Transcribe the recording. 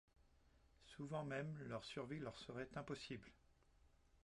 Souvent même leur survie leur seraient impossible.